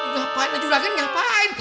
ngapain jujur aja ngapain